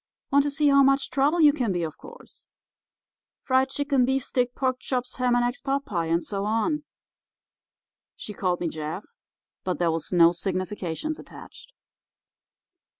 Want to see how much trouble you can be, of course. Friedchickenbeefsteakporkchopshamandeggspotpie'—and so on. She called me Jeff, but there was no significations attached.